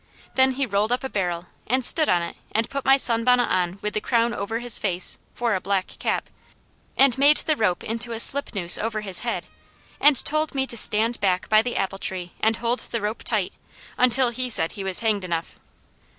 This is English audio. Then he rolled up a barrel and stood on it and put my sunbonnet on with the crown over his face, for a black cap, and made the rope into a slip noose over his head, and told me to stand back by the apple tree and hold the rope tight, until he said he was hanged enough.